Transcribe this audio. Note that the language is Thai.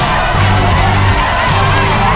เพื่อชิงทุนต่อชีวิตสุด๑ล้านบาท